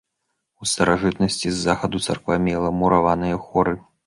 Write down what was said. У старажытнасці з захаду царква мела мураваныя хоры.